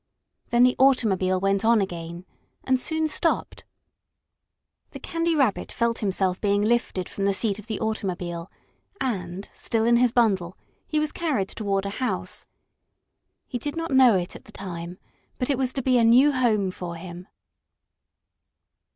Then the automobile went on again, and soon stopped. The Candy Rabbit felt himself being lifted from the seat of the automobile, and, still in his bundle, he was carried toward a house. He did not know it at the time, but it was to be a new home for him.